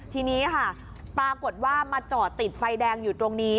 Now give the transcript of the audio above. ทีนี้ค่ะปรากฏว่ามาจอดติดไฟแดงอยู่ตรงนี้